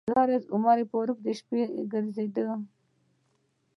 یوه ورځ حضرت عمر فاروق و شپې ګرځېده.